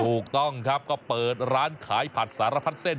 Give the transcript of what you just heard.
ถูกต้องครับก็เปิดร้านขายผัดสารพัดเส้น